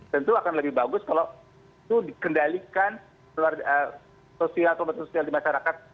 tentu akan lebih bagus kalau itu dikendalikan sosial atau sosial di masyarakat